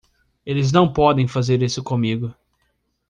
Eles não podem fazer isso comigo!